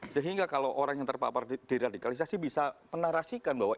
sehingga kalau orang yang terpapar diradikalisasi bisa menarasikan bahwa